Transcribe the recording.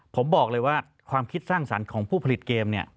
ผมบอกเลยว่าความคิดสร้างสรรค์ของผู้ผลิตเกมเนี่ย